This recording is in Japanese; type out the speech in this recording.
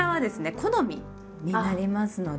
好みになりますので。